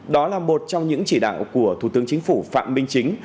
đó là một trong những chỉ đạo của thủ tướng chính phủ phạm minh chính